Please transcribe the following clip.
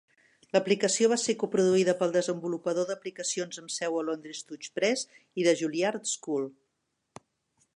L'aplicació va ser coproduïda pel desenvolupador d'aplicacions amb seu a Londres Touchpress i The Juilliard School.